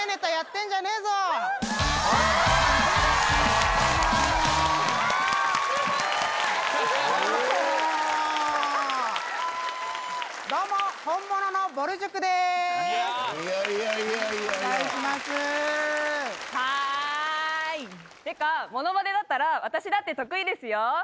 ていうかモノマネだったら私だって得意ですよ。